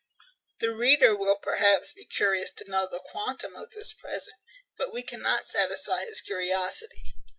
The reader will perhaps be curious to know the quantum of this present; but we cannot satisfy his curiosity.